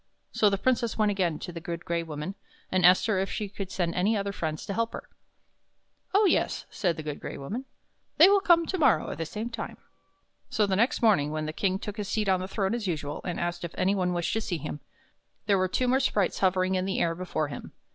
So the Princess went again to the Good Gray Woman, and asked her if she could send any other friends to help her. " Oh, yes," said the Good Gray Woman. " They will come to morrow at the same time." So the next morning when the King took his seat on his throne as usual, and asked if any one wished to see him, there were two more sprites hovering in the air before him.